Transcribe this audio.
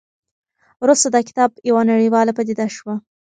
وروسته دا کتاب یوه نړیواله پدیده شوه.